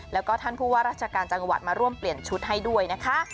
แล้วก็ท่านผู้ว่าราชการจังหวัดมาร่วมเปลี่ยนชุดให้ด้วยนะคะ